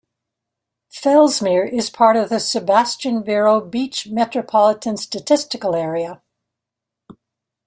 Fellsmere is part of the Sebastian-Vero Beach Metropolitan Statistical Area.